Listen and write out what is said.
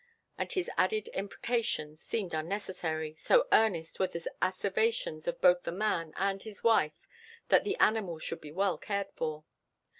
—and his added imprecations seemed unnecessary, so earnest were the asseverations of both the man and his wife that the animal should be well cared for.